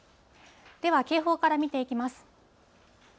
では、警報から見ていきます。